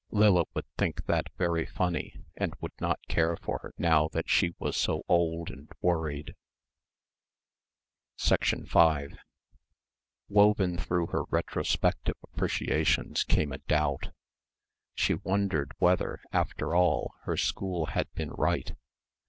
Lilla would think that very funny and would not care for her now that she was so old and worried.... 5 Woven through her retrospective appreciations came a doubt. She wondered whether, after all, her school had been right.